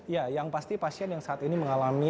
ya yang pasti pasien yang saat ini mengalami